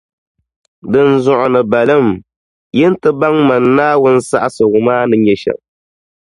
Dinzuɣu ni baalim, yi ni ti baŋ Mani Naawuni saɣisigu maa ni nyɛ shεm.